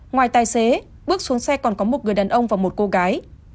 ngoài tài xế bước xuống xe còn có một người đàn ông và một cô gái